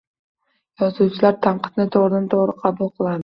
Yozuvchilar tanqidni toʻgʻridan toʻgʻri qabul qiladi